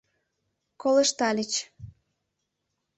Колыштальыч.